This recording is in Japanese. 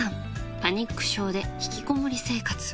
パニック症で引きこもり生活。